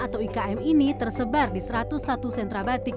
atau ikm ini tersebar di satu ratus satu sentra batik